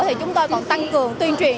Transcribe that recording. thì chúng tôi còn tăng cường tuyên truyền